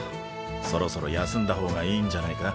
そろそろ休んだ方がいいんじゃないか？